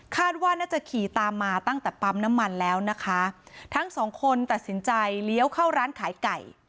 ว่าน่าจะขี่ตามมาตั้งแต่ปั๊มน้ำมันแล้วนะคะทั้งสองคนตัดสินใจเลี้ยวเข้าร้านขายไก่